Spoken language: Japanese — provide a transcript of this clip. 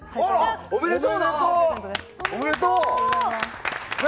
おめでとう！